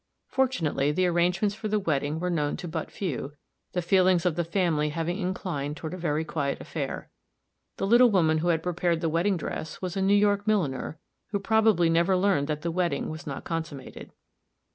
Fortunately, the arrangements for the wedding were known to but few, the feelings of the family having inclined toward a very quiet affair. The little woman who had prepared the wedding dress was a New York milliner, who probably never learned that the wedding was not consummated.